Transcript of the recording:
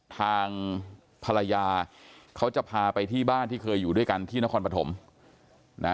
ทางภรรยาเขาจะพาไปที่บ้านที่เคยอยู่ด้วยกันที่นครปฐมนะ